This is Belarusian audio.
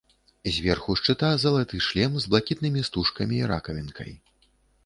Зверху шчыта залаты шлем з блакітнымі стужкамі і ракавінкай.